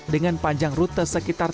dengan panjang rute sekitar tiga km